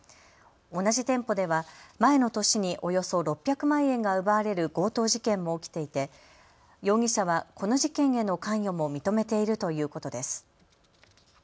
同じ店舗では前の年におよそ６００万円が奪われる強盗事件も起きていて容疑者はこの事件への関与も認めているということです。